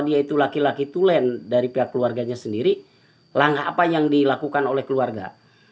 dia itu laki laki tulen dari pihak keluarganya sendiri langkah apa yang dilakukan oleh keluarga